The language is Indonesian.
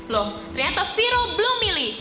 loh ternyata viro belum milih